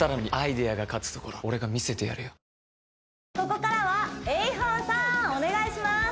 ここからは永昊さんお願いします